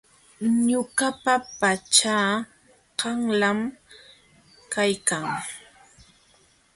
Ñuqapa pachaa qanlam kaykan.